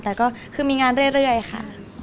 แต่ก็คือมีงานเรื่อยค่ะ